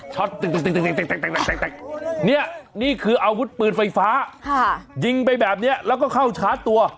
นี่คืออาวุธปืนไฟฟ้ายิงไปแบบนี้แล้วก็เข้าชาร์จตัว